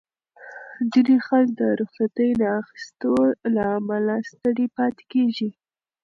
ځینې خلک د رخصتۍ نه اخیستو له امله ستړي پاتې کېږي.